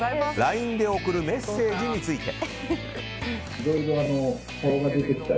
ＬＩＮＥで送るメッセージについて。